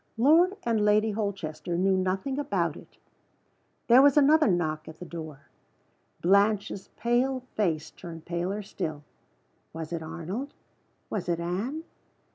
Lord and Lady Holchester knew nothing about it. There was another knock at the door. Blanche's pale face turned paler still. Was it Arnold? Was it Anne?